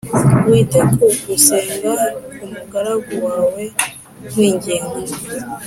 wite ku gusenga k’umugaragu wawe nkwinginga